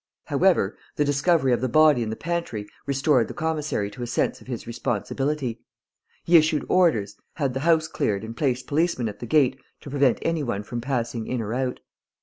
However, the discovery of the body in the pantry restored the commissary to a sense of his responsibility. He issued orders, had the house cleared and placed policemen at the gate to prevent any one from passing in or out.